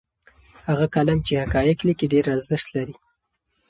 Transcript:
هغه قلم چې حقایق لیکي ډېر ارزښت لري.